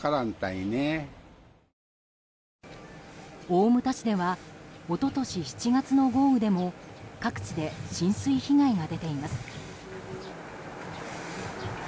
大牟田市では一昨年７月の豪雨でも各地で浸水被害が出ています。